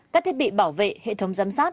các thiết bị bảo vệ hệ thống giám sát